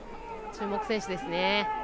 注目選手ですね。